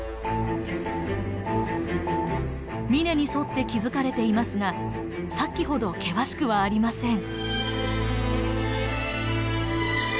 峰に沿って築かれていますがさっきほど険しくはありません。